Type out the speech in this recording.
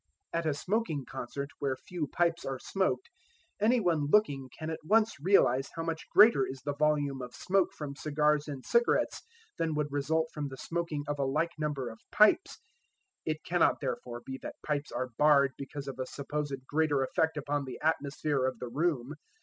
At a smoking concert where few pipes are smoked, anyone looking Athwart the smoke of burning weeds can at once realize how much greater is the volume of smoke from cigars and cigarettes than would result from the smoking of a like number of pipes. It cannot, therefore, be that pipes are barred because of a supposed greater effect upon the atmosphere of the room.